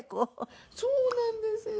そうなんですよ！